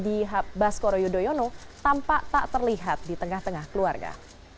di baskoro yudhoyono tampak tak terlihat di tengah tengah keluarga